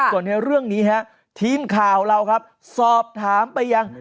ส่วนในเรื่องนี้ฮะทีมข่าวเราครับสอบถามไปยัง